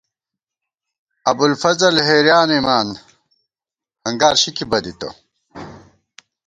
ابُوالفضل حېریان اېمان، ہنگار شِکی بدِتہ